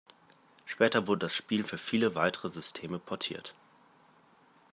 Später wurde das Spiel für viele weitere Systeme portiert.